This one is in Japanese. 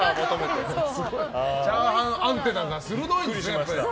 チャーハンアンテナが鋭いんですね。